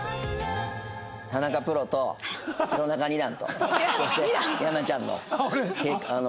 田中プロと弘中二段とそして山ちゃんの。